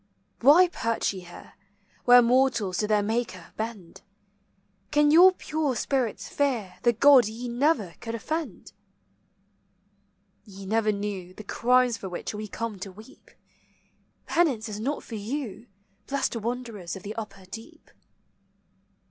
Why perch ye here, Where mortals to their Maker bend? Can your pure spirits fear The God ye never could offend? Ye never knew The crimes for which we come to weep. Penance is not for you, Blessed wanderers of the upper deep.